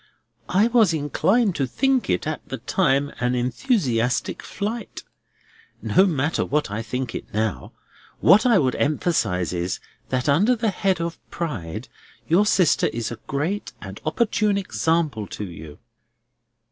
"I was inclined to think it at the time an enthusiastic flight. No matter what I think it now. What I would emphasise is, that under the head of Pride your sister is a great and opportune example to you."